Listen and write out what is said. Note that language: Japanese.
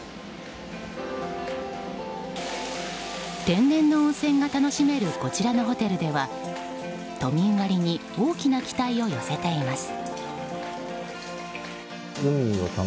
天然の温泉が楽しめるこちらのホテルでは都民割に大きな期待を寄せています。